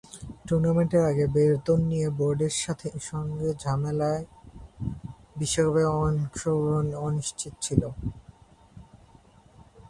টুর্নামেন্টের আগে বেতন নিয়ে বোর্ডের সঙ্গে ঝামেলায় বিশ্বকাপে অংশগ্রহণই অনিশ্চিত ছিল।